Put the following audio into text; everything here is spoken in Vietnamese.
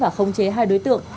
và không chế hai đối tượng